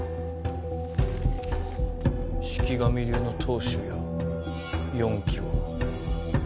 「四鬼神流の当主や四鬼は」